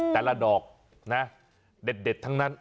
แต่ละดอกนะเด็ดทั้งนั้น